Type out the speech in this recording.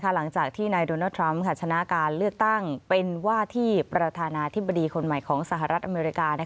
หลังจากที่นายโดนัลดทรัมป์ชนะการเลือกตั้งเป็นว่าที่ประธานาธิบดีคนใหม่ของสหรัฐอเมริกา